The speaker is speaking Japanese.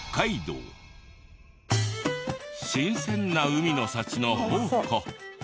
新鮮な海の幸の宝庫。